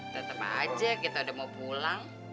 tetap aja kita udah mau pulang